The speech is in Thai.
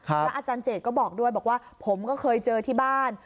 อาจารย์เจตก็บอกด้วยบอกว่าผมก็เคยเจอที่บ้าน